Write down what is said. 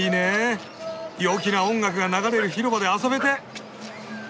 陽気な音楽が流れる広場で遊べて。